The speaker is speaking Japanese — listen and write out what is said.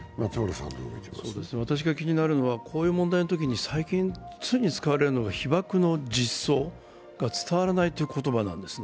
私が気になるのは、こういう問題になるときに最近常に使われるのが被爆の実相が伝わらないという言葉なんですよね。